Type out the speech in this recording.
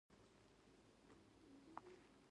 دوی ته دا کار ښه نه لګېږي.